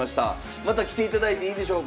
また来ていただいていいでしょうか。